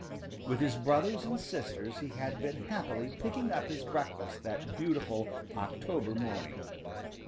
With his brothers and sisters he had been happily picking up his breakfast that beautiful October morning.